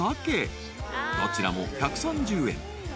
［どちらも１３０円］